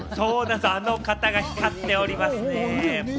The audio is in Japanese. あの方が光っておりますね。